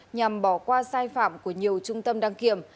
nhằm bỏ qua sai phạm của nhiều trung tâm đăng kiểm